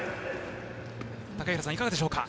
高平さん、いかがでしょうか。